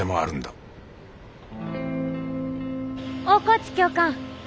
大河内教官。